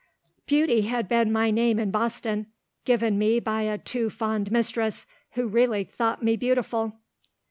Beauty had been my name in Boston, given me by a too fond mistress who really thought me beautiful.